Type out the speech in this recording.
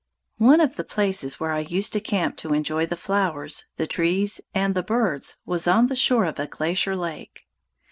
One of the places where I used to camp to enjoy the flowers, the trees, and the birds was on the shore of a glacier lake.